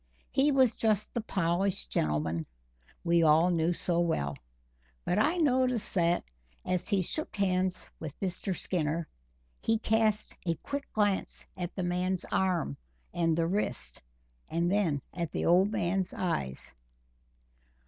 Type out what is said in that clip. He was just the polished gentleman we all knew so well; but I noticed that, as he shook hands with Mr. Skinner, he cast a quick glance at the man's arm and the wrist, and then at the old man's eyes.